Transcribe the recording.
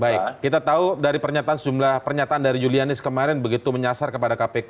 baik kita tahu dari pernyataan sejumlah pernyataan dari julianis kemarin begitu menyasar kepada kpk